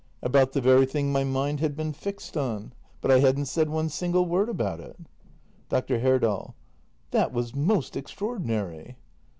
About the very thing my mind had been fixed on. But I hadn't said one single word about it. Dr. Herdal. That was most extraordinary.